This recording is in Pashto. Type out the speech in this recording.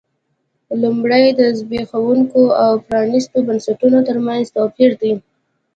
لومړی د زبېښونکو او پرانیستو بنسټونو ترمنځ توپیر دی.